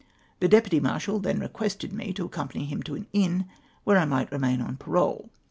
The deputy marshal then requested me to accom pany him to an inn, where I miglit remain on parole.